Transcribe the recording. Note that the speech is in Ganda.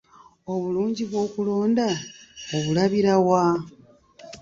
Obulungi bw'okulonda obulabira wa?